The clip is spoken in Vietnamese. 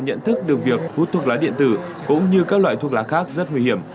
nhận thức được việc hút thuốc lá điện tử cũng như các loại thuốc lá khác rất nguy hiểm